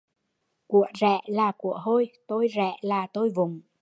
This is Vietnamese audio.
Của rẻ của là của hôi, tôi rẻ là tôi vụng